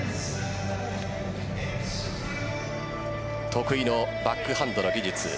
得意のバックハンドの技術。